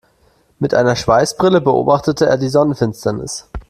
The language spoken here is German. Mit einer Schweißbrille beobachtete er die Sonnenfinsternis.